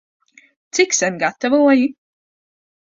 Cik sen gatavoji?